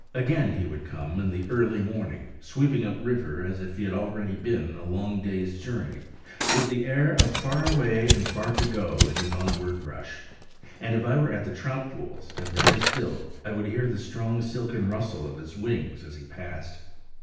Again he would come in the early morning; sweeping up river as if he had already been a long day's journey, with the air of far away and far to go in his onward rush. And if I were at the trout pools, and very still, I would hear the strong silken rustle of his wings as he passed.